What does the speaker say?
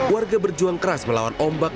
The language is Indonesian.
warga berjuang keras melawan ombak